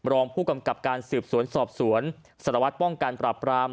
รองผู้กำกับการสืบสวนสอบสวนสารวัตรป้องกันปราบปราม